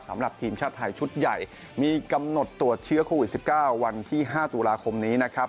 สำหรับทีมชาติไทยชุดใหญ่มีกำหนดตรวจเชื้อโควิด๑๙วันที่๕ตุลาคมนี้นะครับ